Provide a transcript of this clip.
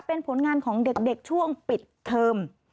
เป็นผลงานของเด็กช่วงปิดเทอม